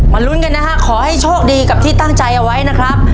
ลุ้นกันนะฮะขอให้โชคดีกับที่ตั้งใจเอาไว้นะครับ